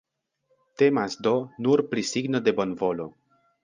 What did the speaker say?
Temas do nur pri signo de bonvolo.